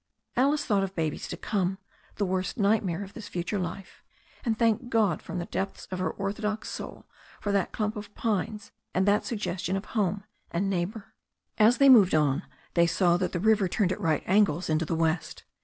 Alice thought of babies to come, the worst nightmare of this future life, and thanked God from the depths of her ortho dox soul for that clump of pines and that suggestion of home and neighbour. As they moved on, they saw that the river turned at right angles into the west.